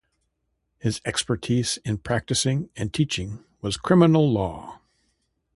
His expertise in practice and teaching was criminal law.